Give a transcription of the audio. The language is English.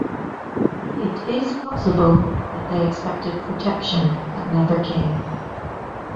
It is possible that they expected protection that never came.